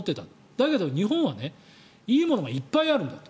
だけど、日本はいいものがたくさんあるんだと。